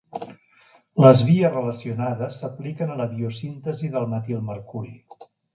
Les vies relacionades s'apliquen a la biosíntesi del metilmercuri.